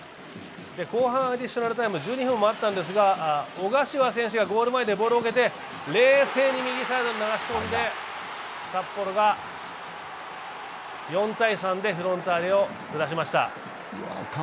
後半アディショナルタイム、１２分あったんですが、小柏選手が冷静に右サイドに流し込んで札幌が４−３でフロンターレを下しました。